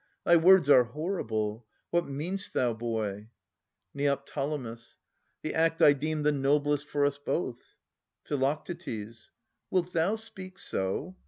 Thy words are horrible. What mean'st thou, boy ? Neo. The act I deem the noblest for us both. Phi. Wilt thou speak so